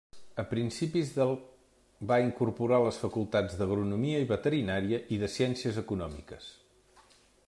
A principis del va incorporar les facultats d'Agronomia i Veterinària i de Ciències Econòmiques.